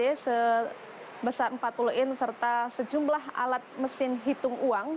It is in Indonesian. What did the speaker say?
b sebesar empat puluh in serta sejumlah alat mesin hitung uang